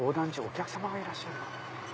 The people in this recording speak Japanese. お客様がいらっしゃるかな。